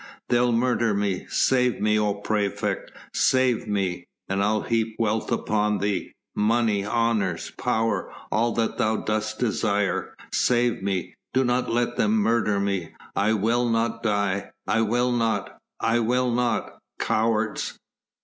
"They'll murder me! Save me, O praefect; save me! and I'll heap wealth upon thee money, honours, power, all that thou dost desire! Save me! Do not let them murder me! I will not die.... I will not! I will not!... Cowards!